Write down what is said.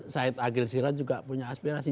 syed agil sirah juga punya aspirasi